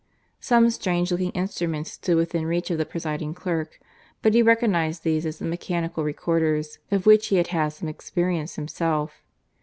Some strange looking instruments stood within reach of the presiding clerk, but he recognized these as the mechanical recorders, of which he had had some experience himself.